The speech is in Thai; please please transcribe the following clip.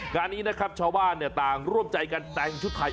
งานนี้นะครับชาวบ้านต่างร่วมใจกันแต่งชุดไทย